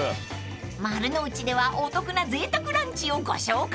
［丸の内ではお得なぜいたくランチをご紹介］